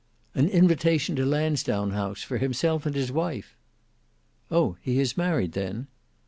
"An invitation to Lansdowne House, for himself and his wife!" "Oh! he is married then?"